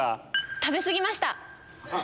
食べ過ぎました。